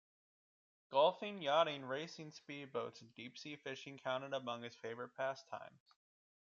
Golfing, yachting, racing speedboats and deep-sea fishing counted among his favourite pastimes.